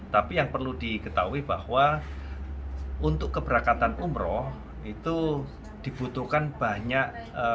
tapi yang perlu diketahui bahwa untuk keberangkatan umroh itu dibutuhkan banyak